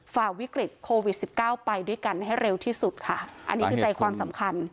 ฝ่าวิกฤตโควิดสิบเก้าไปด้วยกันให้เร็วที่สุดค่ะอันนี้คือใจความสำคัญ